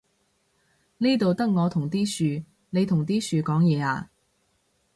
呢度得我同啲樹，你同啲樹講嘢呀？